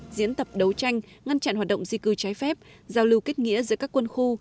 diễn tập đấu tranh ngăn chặn hoạt động di cư trái phép giao lưu kết nghĩa giữa các quân khu